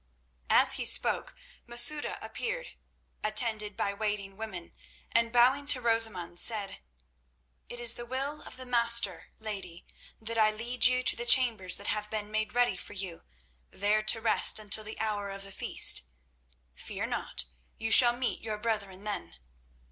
As he spoke Masouda appeared, attended by waiting women, and, bowing to Rosamund, said: "It is the will of the Master, lady, that I lead you to the chambers that have been made ready for you, there to rest until the hour of the feast. Fear not; you shall meet your brethren then.